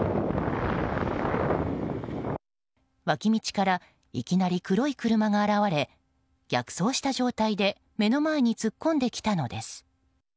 脇道からいきなり黒い車が現れ逆走した状態で目の前に突っ込んできたのです。